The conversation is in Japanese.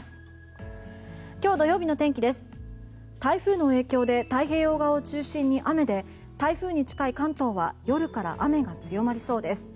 台風の影響で太平洋側を中心に雨で台風に近い関東は夜から雨が強まりそうです。